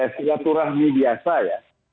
sekaturahmi biasa ya